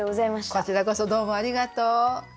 こちらこそどうもありがとう！